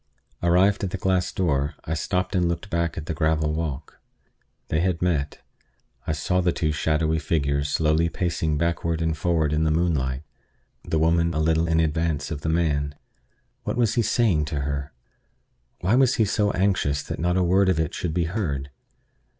Arrived at the glass door, I stopped and looked back at the gravel walk. They had met. I saw the two shadowy figures slowly pacing backward and forward in the moonlight, the woman a little in advance of the man. What was he saying to her? Why was he so anxious that not a word of it should be heard?